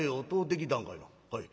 「はい。